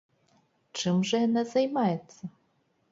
Чым жа яна займаецца?